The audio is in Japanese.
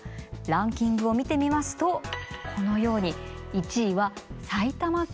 ランキングを見てみますとこのように１位は埼玉県となりました。